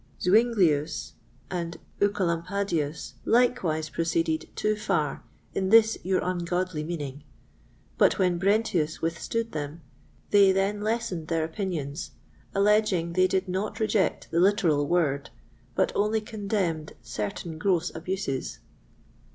Zuinglius and Œcolampadius likewise proceeded too far in this your ungodly meaning; but when Brentius withstood them, they then lessened their opinions, alleging they did not reject the literal Word, but only condemned certain gross abuses.